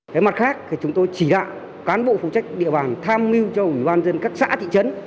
cái mặt khác thì chúng tôi chỉ đạo cán bộ phụ trách địa bàn tham mưu cho ủy ban dân các xã thị trấn